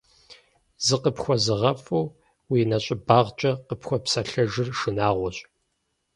ЗыкъыпхуэзыгъэфӀыу уи нэщӀыбагъкӀэ къыпхуэпсэлъэжыр шынагъуэщ.